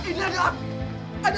eh setepan setepan dulu